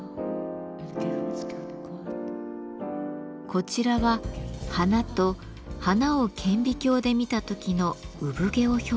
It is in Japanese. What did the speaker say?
こちらは花と花を顕微鏡で見た時の産毛を表現しています。